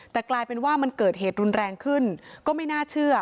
แต่กลายเป็นว่ามันเกิดเหตุรุนแรงขึ้นก็ไม่น่าเชื่อ